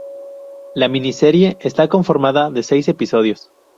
La miniserie está conformada de seis episodios.